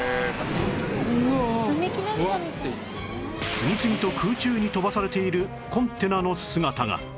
次々と空中に飛ばされているコンテナの姿が